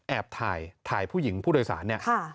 แอบถ่ายถ่ายผู้หญิงผู้โดยสารเนี่ย